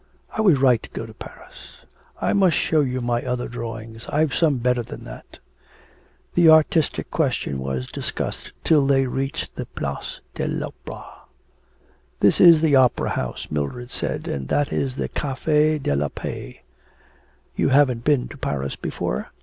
I was right to go to Paris.... I must show you my other drawings. I've some better than that.' The artistic question was discussed till they reached the Place de l'Opera. 'That is the opera house,' Mildred said, 'and that is the Cafe de la Paix.... You haven't been to Paris before?'